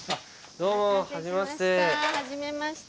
どうもはじめまして。